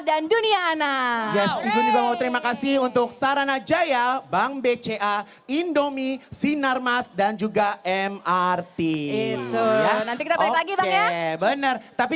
dan dunia anak terima kasih untuk sarana jaya bang bca indomie sinarmas dan juga mrt bener tapi